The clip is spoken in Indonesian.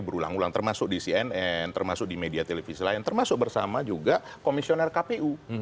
berulang ulang termasuk di cnn termasuk di media televisi lain termasuk bersama juga komisioner kpu